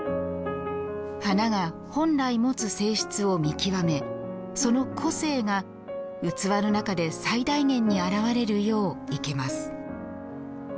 花が本来持つ性質を見極めその個性が器の中で最大限に表れるよう生けます。